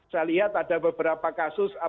saya lihat ada beberapa kasus